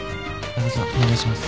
お願いします。